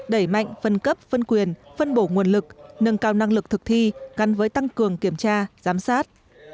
đẩy mạnh phân cấp phân quyền phân bổ nguồn lực nâng cao năng lực thực thi gắn với tăng cường kiểm tra giám sát